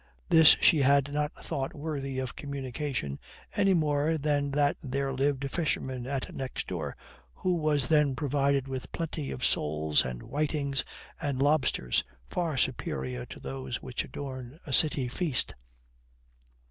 This she had not thought worthy of communication, any more than that there lived a fisherman at next door, who was then provided with plenty of soles, and whitings, and lobsters, far superior to those which adorn a city feast.